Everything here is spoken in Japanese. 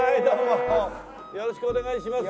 よろしくお願いします。